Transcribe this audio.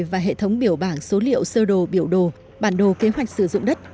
và hệ thống biểu bảng số liệu sơ đồ biểu đồ bản đồ kế hoạch sử dụng đất